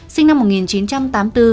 sinh năm một nghìn chín trăm tám mươi bốn